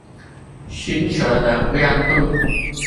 星球的亮度